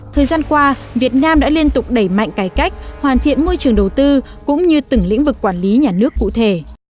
thời gian qua việt nam đã liên tục đẩy mạnh cải cách hoàn thiện môi trường đầu tư cũng như từng lĩnh vực quản lý nhà nước cụ thể